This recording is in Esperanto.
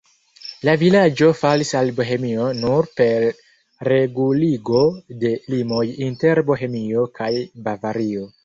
La vilaĝo falis al Bohemio nur per reguligo de limoj inter Bohemio kaj Bavario.